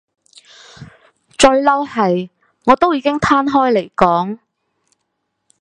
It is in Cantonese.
最嬲係我都已經攤開嚟講